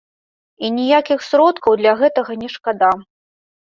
І ніякіх сродкаў для гэтага не шкада.